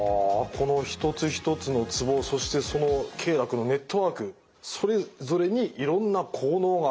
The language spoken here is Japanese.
この一つ一つのツボそしてその経絡のネットワークそれぞれにいろんな効能があるってことなんですね？